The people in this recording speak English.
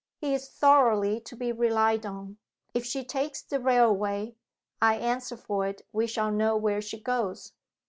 He is thoroughly to be relied on. If she takes the railway, I answer for it we shall know where she goes."